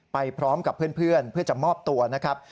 ไปพร้อมกับเพื่อนเพื่อจะมอบตัวนะครับ